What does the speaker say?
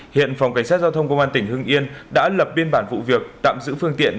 hiện phòng cảnh sát giao thông công an tỉnh hưng yên đã lập biên bản vụ việc tạm giữ phương tiện